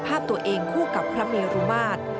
ภาพตัวเองคู่กับพระเมรุมาตร